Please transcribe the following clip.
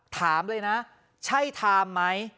ถามเลยนะใช่ไทม์ไหม